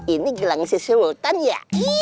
ini gelang si sultan ya